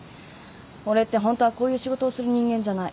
俺ってホントはこういう仕事をする人間じゃない。